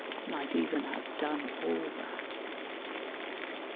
might even have done all that.